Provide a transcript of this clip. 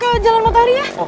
kayak jalan matahari ya